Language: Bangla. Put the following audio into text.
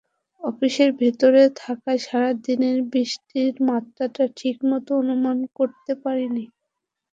অফিসের ভেতরে থাকায় সারা দিনের বৃষ্টির মাত্রাটা ঠিকমতো অনুমান করতে পারিনি।